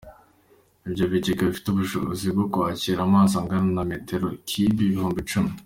Ibyo bigega bifite ubushobozi bwo kwakira amazi angana na metero kibe ibihumbi icumi.